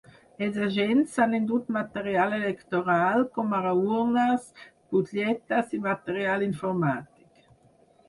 Els agents s’han endut material electoral, com ara urnes, butlletes i material informàtic.